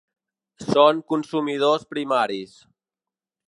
Són consumidors primaris.